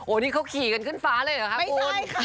โอ้นี่เขาขี่กันขึ้นฟ้าเลยเหรอคะคุณไม่ใช่ค่ะ